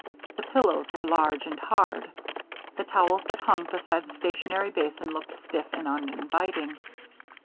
The pillows were large and hard. The towels that hung beside the stationary basin looked stiff and uninviting.